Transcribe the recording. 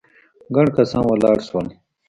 ګڼ کسان ولاړ شول.